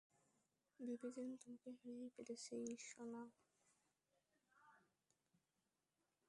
ভেবেছিলাম, তোমাকে হারিয়েই ফেলেছি, সোনা!